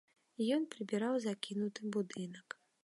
Ён прыбіраў закінуты будынак.